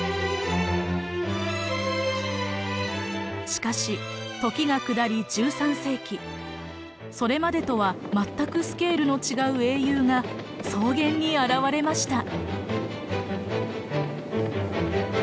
しかし時が下り１３世紀それまでとは全くスケールの違う英雄が草原に現れました。